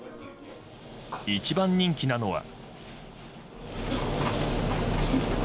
一番人気なのは。